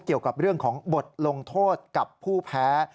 เกี่ยวกับเรื่องของบทลงโทษกับผู้แพ้